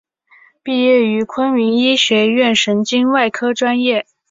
毕业于昆明医学院神经外科专业。